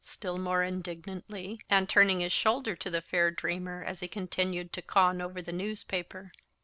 still more indignantly, and turning his shoulder to the fair dreamer, as he continued to con over the newspaper.